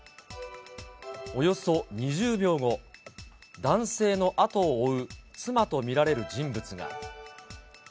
およそ２０秒後、男性の後を追う妻と見られる人物が。